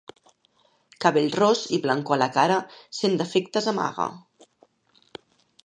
Cabell ros i blancor a la cara cent defectes amaga.